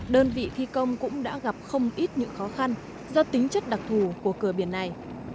đơn vị thi công cũng đã gặp không ít những khó khăn do tính chất đặc thù của cửa biển này